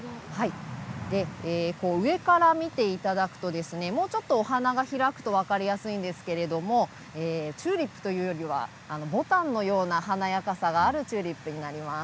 上から見ていただくともうちょっとお花が開くと分かりやすいんですけれどもチューリップというよりはぼたんのような華やかさがあるチューリップになります。